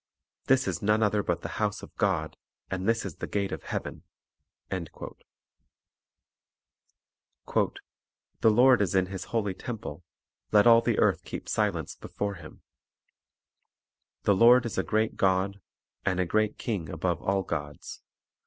... This is none other but the house of God, and this is the gate of heaven." 2 "The Lord is in His holy temple; let all the earth keep silence before Him." 3 Vor God's Presence "The Lord is a great God, And a great King above all gods.